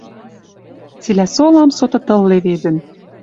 Цилӓ солам соты тыл леведӹн.